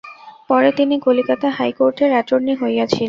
পরে তিনি কলিকাতা হাইকোর্টের এটর্নি হইয়াছিলেন।